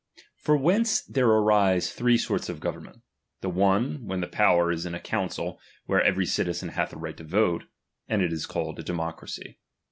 From whence there arise three sorts of government ; the one, when the power is in a council where every citizen hath a right to vote ; and it is called a democracy.